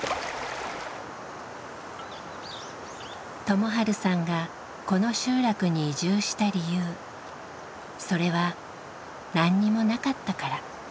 友治さんがこの集落に移住した理由それは何にもなかったから。